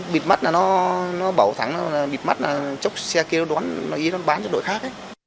bịt mắt là nó bảo thắng bịt mắt là chốc xe kia đoán nó ý nó bán cho đội khác